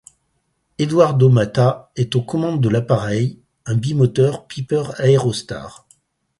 Eduardo Mata est aux commandes de l'appareil, un bi-moteur Piper Aerostar.